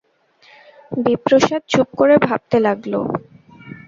বিপ্রদাস চুপ করে ভাবতে লাগল।